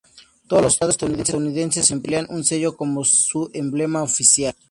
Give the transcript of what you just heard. Todos los estados estadounidenses emplean un sello como su emblema oficial.